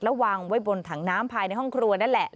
วางไว้บนถังน้ำภายในห้องครัวนั่นแหละ